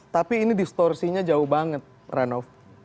tapi ini distorsinya jauh banget renov